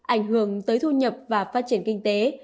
ảnh hưởng tới thu nhập và phát triển kinh tế